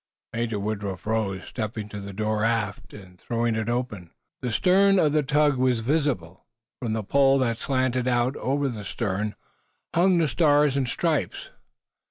Major Woodruff rose, stepping to the door aft and throwing it open. The stern of the tug was visible. From the pole that slanted out over the stern, hung the Stars and Stripes.